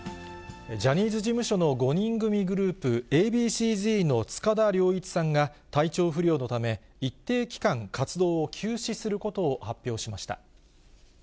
ジャニーズ事務所の５人組グループ、Ａ．Ｂ．ＣーＺの塚田僚一さんが、体調不良のため、一定期間、活動を休止することを発表しました。